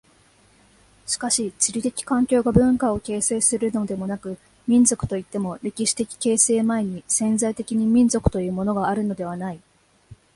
しかし地理的環境が文化を形成するのでもなく、民族といっても歴史的形成前に潜在的に民族というものがあるのではない。